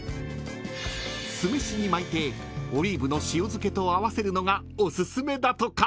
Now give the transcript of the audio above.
［酢飯に巻いてオリーブの塩漬けと合わせるのがおすすめだとか］